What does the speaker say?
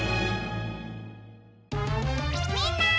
みんな！